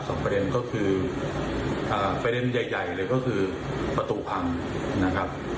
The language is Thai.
ประเด็นก็คืออ่าประเด็นใหญ่ใหญ่เลยก็คือประตูพังนะครับ